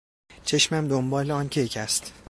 چشمم دنبال آن کیک است.